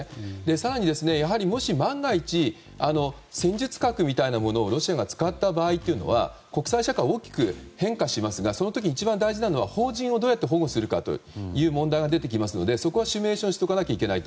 更に、もし万が一戦術核みたいなものをロシアが使った場合は国際社会は大きく変化しますがその時一番大事なのは邦人をどうやって保護するのかという問題が出てきますのでそこは決めておかないと。